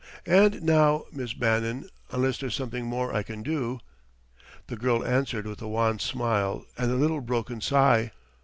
And now, Miss Bannon... unless there's something more I can do ?" The girl answered with a wan smile and a little broken sigh.